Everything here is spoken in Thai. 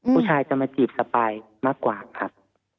ผู้ชายจะมาจีบสปายมากกว่าครับ